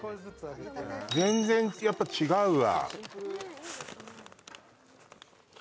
全然やっぱ違うわ。